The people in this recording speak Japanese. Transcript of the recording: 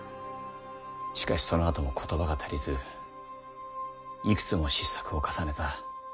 しかしそのあとも言葉が足りずいくつも失策を重ねた。